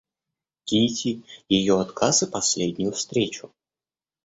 Кити, ее отказ и последнюю встречу.